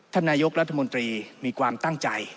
ท่านนายกรัฐมนตรีมีความตั้งใจ